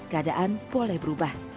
keadaan boleh berubah